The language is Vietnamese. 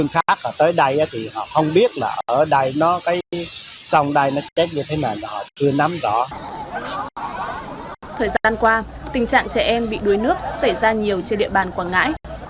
thời gian qua tình trạng trẻ em bị đuối nước xảy ra nhiều trên địa bàn quảng ngãi